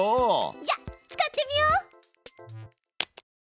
じゃあ使ってみよう！